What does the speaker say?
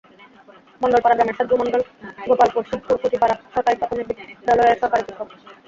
মণ্ডলপাড়া গ্রামের সাদ্দু মণ্ডল গোপালপুর শিবপুর কুটিপাড়া সরকারি প্রাথমিক বিদ্যালয়ের সহকারী শিক্ষক।